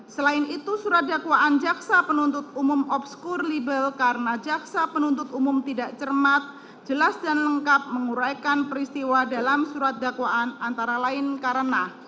selain itu surat dakwaan jaksa penuntut umum obskur libel karena jaksa penuntut umum tidak cermat jelas dan lengkap menguraikan peristiwa dalam surat dakwaan antara lain karena